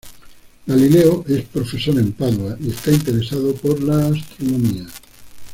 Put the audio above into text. Galileo es profesor en Padua y está interesado por la astronomía.